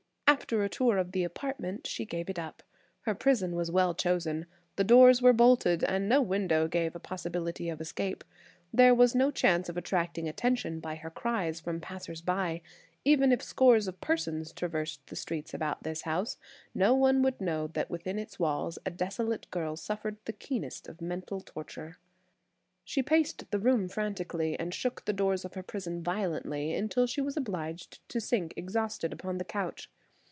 After a tour of the apartment she gave it up. Her prison was well chosen. The doors were bolted, and no window gave a possibility of escape. There was no chance of attracting attention, by her cries, from passers by, even if scores of persons traversed the streets about this house; no one would know that within its walls a desolate girl suffered the keenest of mental torture. She paced the room frantically, and shook the doors of her prison violently until she was obliged to sink exhausted upon the couch.